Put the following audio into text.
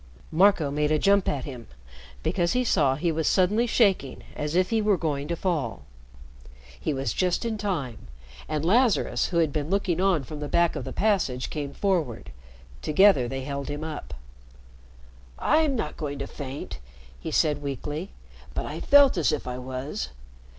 Marco made a jump at him because he saw he was suddenly shaking as if he were going to fall. He was just in time, and Lazarus, who had been looking on from the back of the passage, came forward. Together they held him up. "I'm not going to faint," he said weakly, "but I felt as if I was.